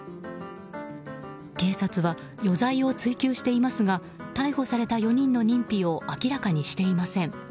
警察は余罪を追及していますが逮捕された４人の認否を明らかにしていません。